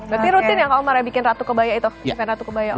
berarti rutin ya kak omar bikin ratu kebaya itu